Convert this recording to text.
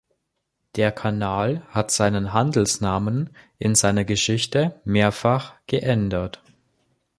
Der Kanal hat seinen Handelsnamen in seiner Geschichte mehrfach geändert.